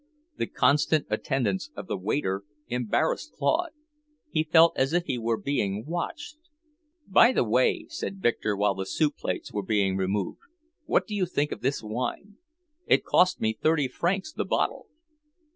The constant attendance of the waiter embarrassed Claude; he felt as if he were being watched. "By the way," said Victor while the soup plates were being removed, "what do you think of this wine? It cost me thirty francs the bottle."